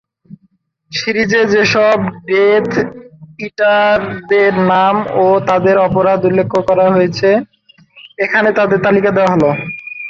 সিরিজে যেসব ডেথ ইটারদের নাম ও তাদের অপরাধ উল্লেখ করা হয়েছে, এখানে তাদের তালিকা দেওয়া হলঃ